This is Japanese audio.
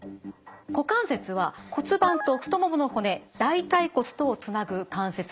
股関節は骨盤と太ももの骨大腿骨とをつなぐ関節です。